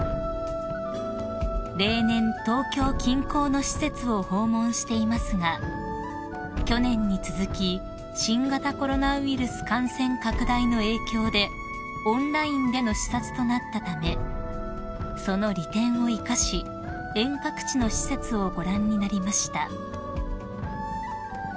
［例年東京近郊の施設を訪問していますが去年に続き新型コロナウイルス感染拡大の影響でオンラインでの視察となったためその利点を生かし遠隔地の施設をご覧になりました］